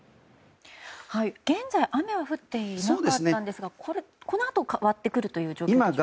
現在雨は降っていなかったんですがこのあと変わってくるということですか。